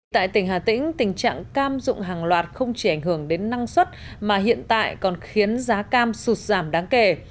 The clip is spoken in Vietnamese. tại tỉnh hà tĩnh tình trạng cam dụng hàng loạt không chỉ ảnh hưởng đến năng suất mà hiện tại còn khiến giá cam sụt giảm đáng kể